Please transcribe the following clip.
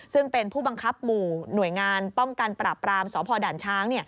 ซึ่งเป็นผู้บังคับหมู่หน่วยงานป้องกันปราบรามสพด่านช้าง